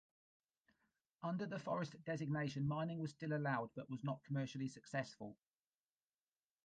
Under the forest designation, mining was still allowed but was not commercially successful.